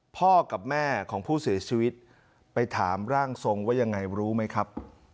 พ่อกับแม่ของผู้เสียชีวิตไปถามร่างทรงว่ายังไงรู้ไหมครับ